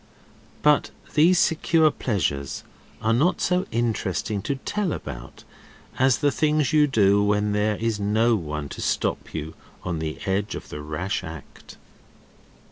But these secure pleasures are not so interesting to tell about as the things you do when there is no one to stop you on the edge of the rash act.